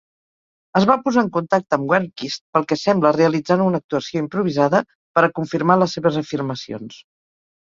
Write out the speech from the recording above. Es va posar en contacte amb Wernquist, pel que sembla realitzant una actuació improvisada per a confirmar les seves afirmacions.